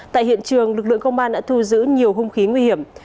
tại hiện trường lực lượng công an đã thu giữ nhiều hung khí nguy hiểm